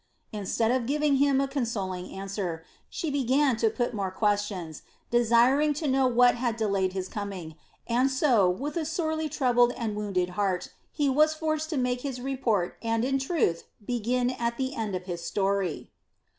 Instead of giving him a consoling answer, she began to put more questions, desiring to know what had delayed his coming, and so, with a sorely troubled and wounded heart, he was forced to make his report and, in truth, begin at the end of his story.